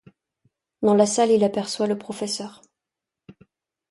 Dans la salle il aperçoit le professeur.